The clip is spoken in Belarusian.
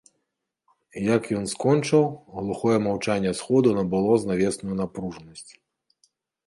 Як ён скончыў, глухое маўчанне сходу набыло злавесную напружанасць.